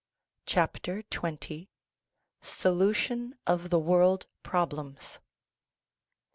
CHAPTER XX ( SOLUTION OF THE WORLD PROBLEMS